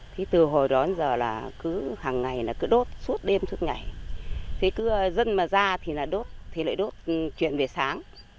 thế từ hồi đó đến giờ là cứ hàng ngày là cứ đốt suốt đêm trước ngày thế cứ dân mà ra thì là đốt thì lại đốt chuyện về sáng